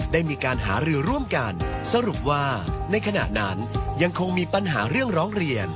ได้มีการหารือร่วมกันสรุปว่าในขณะนั้นยังคงมีปัญหาเรื่องร้องเรียน